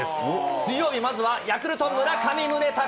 水曜日、まずはヤクルト、村上宗隆。